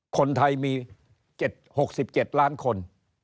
คนไทยมี๗๖๗ล้านคน